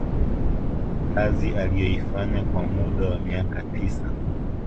kazi aliyoifanya kwa muda wa miaka tisa